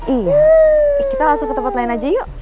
iya kita langsung ke tempat lain aja yuk